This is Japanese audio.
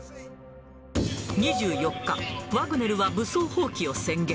２４日、ワグネルは武装蜂起を宣言。